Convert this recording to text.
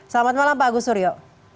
selamat malam pak agus suryo